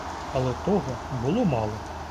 Але того було мало.